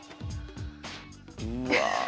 うわ！